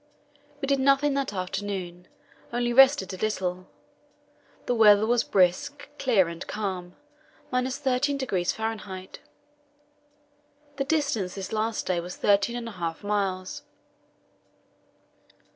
We did nothing that afternoon, only rested a little. The weather was brisk, clear and calm, 13° F. The distance this last day was thirteen and a half miles.